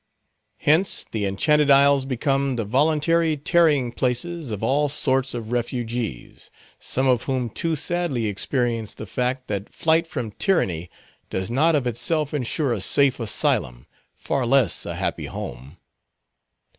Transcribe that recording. Hence the Enchanted Isles become the voluntary tarrying places of all sorts of refugees; some of whom too sadly experience the fact, that flight from tyranny does not of itself insure a safe asylum, far less a happy home.